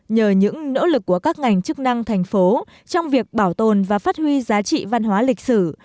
nhờ những nỗ lực của các ngành chức năng thành phố trong việc bảo tồn và phát huy giá trị văn hóa lịch sử